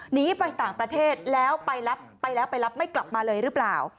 หนีไปต่างประเทศแล้วไปรับไปแล้วไปรับไม่กลับมาเลยหรือเปล่า